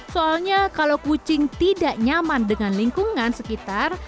soalnya kalau kucing tidak nyaman dengan lingkungan sekitar